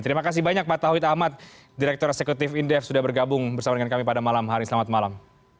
terima kasih banyak pak tauhid ahmad direktur eksekutif indef sudah bergabung bersama dengan kami pada malam hari selamat malam